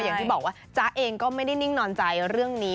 อย่างที่บอกว่าจ๊ะเองก็ไม่ได้นิ่งนอนใจเรื่องนี้